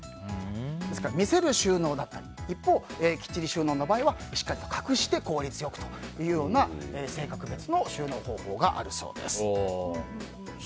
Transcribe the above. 見せる収納だったり一方、きっちり収納の場合はきっちり隠してというような性格別の収納方法があるそうです。